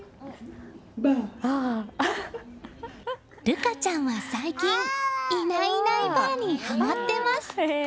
瑠夏ちゃんは最近いないないばあにはまってます。